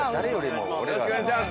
よろしくお願いします。